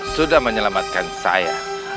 sudah menyelamatkan saya